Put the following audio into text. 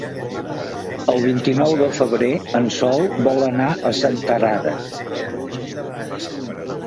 El vint-i-nou de febrer en Sol vol anar a Senterada.